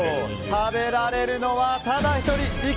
食べられるのはただ１人。